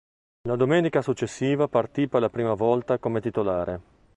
La domenica successiva partì per la prima volta come titolare.